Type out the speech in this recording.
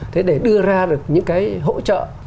thế để đưa ra được những cái hỗ trợ